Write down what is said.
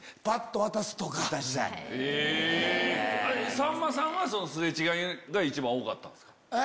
さんまさんは擦れ違いが一番多かったですか？